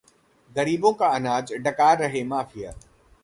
गरीबों का अनाज डकार रहे माफिया